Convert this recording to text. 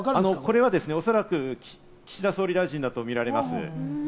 これはですね、おそらく岸田総理大臣だと見られます。